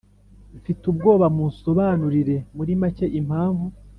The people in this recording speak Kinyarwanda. mfite ubwoba Musobanurire muri make impamvu